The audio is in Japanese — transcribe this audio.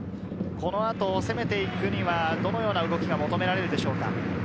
このあと攻めて行くにはどのような動きが求められるでしょうか。